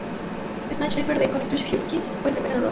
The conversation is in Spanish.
Shabazz Napier, de Connecticut Huskies, fue el primer ganador.